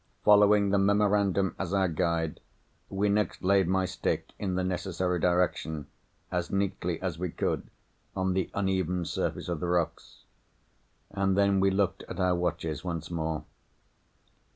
Following the memorandum as our guide, we next laid my stick in the necessary direction, as neatly as we could, on the uneven surface of the rocks. And then we looked at our watches once more.